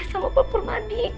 sama pak permadi